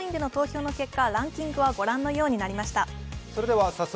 ＬＩＮＥの結果、ランキングはご覧のようになりました。